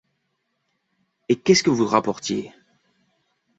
Et qu’est-ce que vous rapportiez ?…